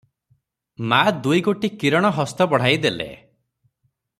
ମା’ ଦୁଇ ଗୋଟି କିରଣ ହସ୍ତ ବଢ଼ାଇ ଦେଲେ।